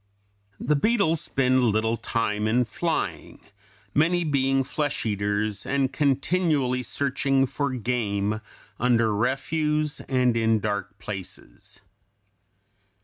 The beetles spend little time in flying, many being flesh eaters and continually searching for game under refuse and in dark places.